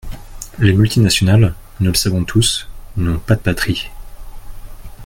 Les multinationales, nous le savons tous, n’ont pas de patrie.